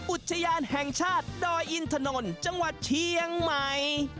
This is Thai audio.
อุทยานแห่งชาติดอยอินถนนจังหวัดเชียงใหม่